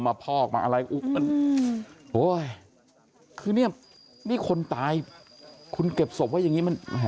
พอกมาอะไรมันโอ้ยคือเนี่ยนี่คนตายคุณเก็บศพไว้อย่างนี้มัน